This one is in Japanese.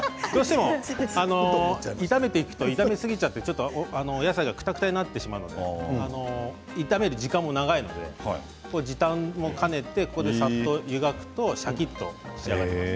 炒めていくと炒めすぎちゃってお野菜がどうしても、くたくたになるので炒める時間も長いので時短も兼ねてさっと湯がくとシャキっと仕上がります。